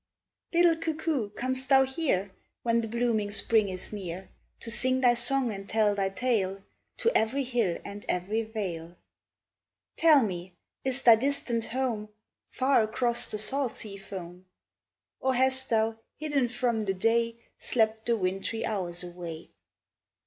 Little cuckoo, com'st thou here, When the blooming spring is near, To sing thy song and tell thy tale, To every hill and every vale? Tell me, is thy distant home Far across the salt sea foam? Or hast thou, hidden from the day, Slept the wintry hours away?